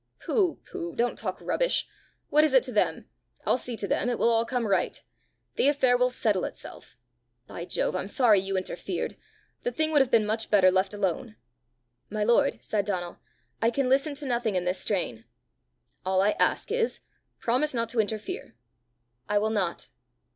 "Pooh! pooh! don't talk rubbish. What is it to them! I'll see to them. It will all come right. The affair will settle itself. By Jove, I'm sorry you interfered! The thing would have been much better left alone." "My lord," said Donal, "I can listen to nothing in this strain." "All I ask is promise not to interfere." "I will not."